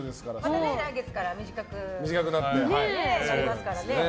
また来月から短くなりますからね。